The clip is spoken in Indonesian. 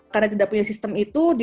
karena tidak punya sistem itu